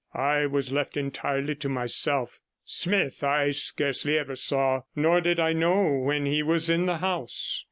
I was left entirely to myself. Smith I scarcely ever saw, nor did I know when he was in the house.